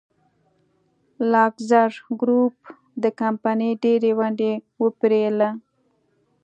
لاکزر ګروپ د کمپنۍ ډېرې ونډې وپېرله.